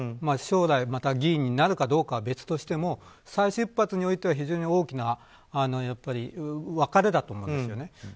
将来、また議員になるかどうかは別としても再出発においては非常に大きな分かれだと思うんですよね。